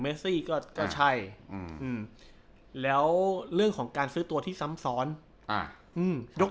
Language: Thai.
เมื่อก็คือพวกเขามีประตูที่ดีมากอย่างเกลเลอท์แนฟปาสอยู่แล้ว